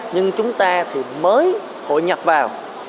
nhưng chúng ta thì mới hội nhập vào